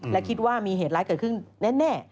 และคิดว่ามีเหตุร้ายเกิดขึ้นแน่